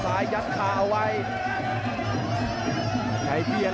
ขวางแขงขวาเจอเททิ้ง